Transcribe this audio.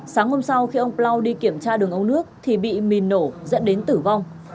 sáng hôm sau khi ông plau đi kiểm tra đường ống nước thì bị mìn nổ dẫn đến tử vong